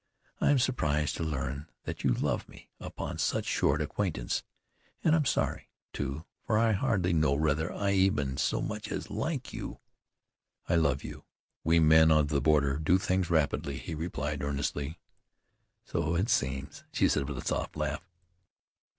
"I am surprised to learn that you love me upon such short acquaintance, and am sorry, too, for I hardly know whether I even so much as like you." "I love you. We men of the border do things rapidly," he replied earnestly. "So it seems," she said with a soft laugh.